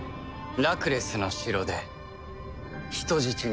ラクレスの城で人質になってる。